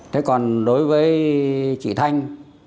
thế còn đối với chị thanh